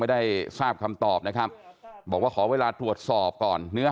ได้ทราบคำตอบนะครับบอกว่าขอเวลาตรวจสอบก่อนเนื้อ